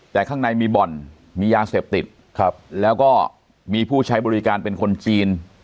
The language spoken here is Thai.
แต่ข้างในมีบ่อนมียาเสพติดครับแล้วก็มีผู้ใช้บริการเป็นคนจีน